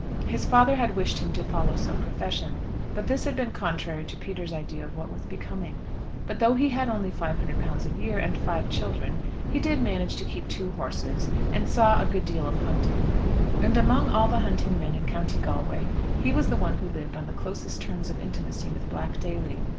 His father had wished him to follow some profession, but this had been contrary to Peter's idea of what was becoming. But though he had only £500 a year, and five children, he did manage to keep two horses, and saw a good deal of hunting. And among all the hunting men in County Galway he was the one who lived on the closest terms of intimacy with Black Daly.